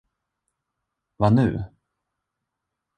Vad nu?